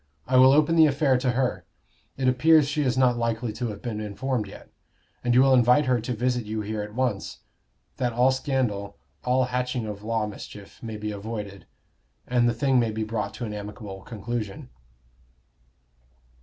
I will open the affair to her; it appears she is not likely to have been informed yet; and you will invite her to visit you here at once, that all scandal, all hatching of law mischief, may be avoided, and the thing may be brought to an amicable conclusion."